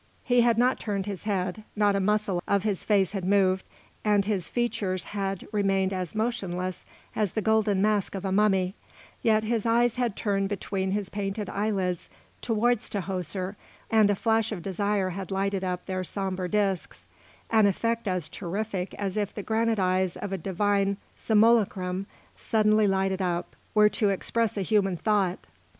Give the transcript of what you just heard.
He had not turned his head, not a muscle of his face had moved, and his features had remained as motionless as the golden mask of a mummy, yet his eyes had turned between his painted eyelids towards Tahoser, and a flash of desire had lighted up their sombre discs, an effect as terrific as if the granite eyes of a divine simulacrum, suddenly lighted up, were to express a human thought.